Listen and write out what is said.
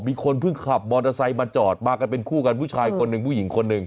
มีคนเพิ่งขับมอเตอร์ไซค์มาจอดมากันเป็นคู่กันผู้ชายคนหนึ่งผู้หญิงคนหนึ่ง